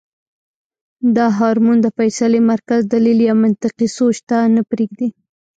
دا هارمون د فېصلې مرکز دليل يا منطقي سوچ ته نۀ پرېږدي -